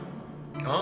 あ。